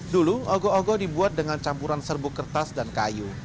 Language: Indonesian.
dulu ogo ogoh dibuat dengan campuran serbuk kertas dan kayu